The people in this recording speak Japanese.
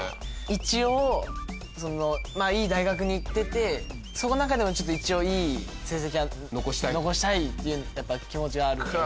一応まあいい大学に行っててその中でもちょっと一応いい成績は残したいっていうやっぱ気持ちがあるというので。